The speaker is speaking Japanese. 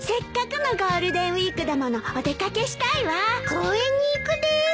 公園に行くです。